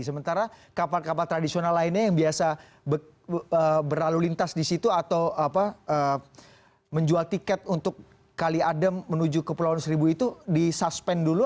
sementara kapal kapal tradisional lainnya yang biasa berlalu lintas disitu atau apa menjual tiket untuk kaliadem menuju ke pulau seribu itu disuspend dulu